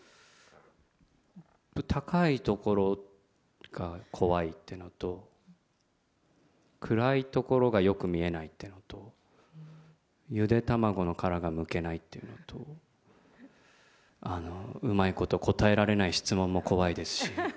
高い所が怖いってのと、暗い所がよく見えないっていうのと、ゆで卵の殻がむけないっていうのと、うまいこと答えられない質問も怖いですし。